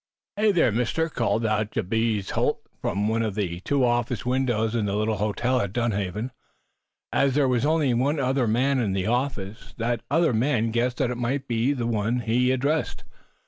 "Hey, there, Mister!" called out Jabez Holt, from one of the two office windows in the little hotel at Dunhaven. As there was only one other man in the office, that other man guessed that he might be the one addressed.